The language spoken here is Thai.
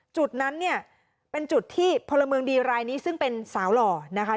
จุดนั้นเนี่ยเป็นจุดที่พลเมืองดีรายนี้ซึ่งเป็นสาวหล่อนะคะ